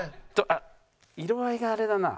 あっ色合いがあれだな。